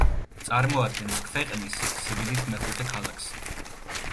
წარმოადგენს ქვეყნის სიდიდით მეხუთე ქალაქს.